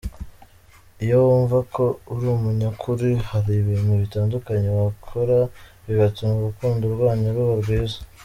Iyo wumva ko uri umunyakuri hari ibintu bitandukanye wakora bigatuma urukundo rwanyu ruba rwiza.